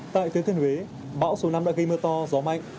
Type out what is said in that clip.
tại tuyết thuyền huế bão số năm đã gây mưa to gió mạnh